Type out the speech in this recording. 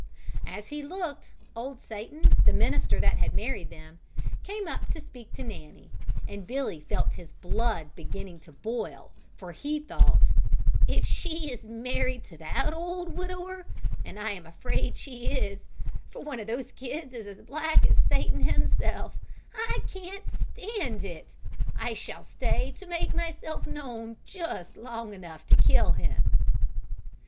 As he looked, old Satan, the minister that had married them, came up to speak to Nanny, and Billy felt his blood beginning to boil for he thought: "If she is married to that old widower, and I am afraid she is, for one of those kids is as black as Satan himself, I can't stand it! I shall stay to make myself known just long enough to kill him."